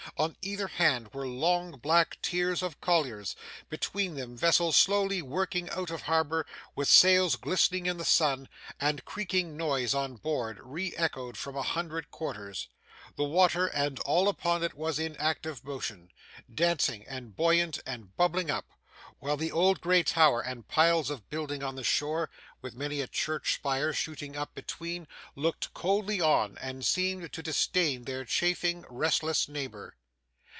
On either hand were long black tiers of colliers; between them vessels slowly working out of harbour with sails glistening in the sun, and creaking noise on board, re echoed from a hundred quarters. The water and all upon it was in active motion, dancing and buoyant and bubbling up; while the old grey Tower and piles of building on the shore, with many a church spire shooting up between, looked coldly on, and seemed to disdain their chafing, restless neighbour.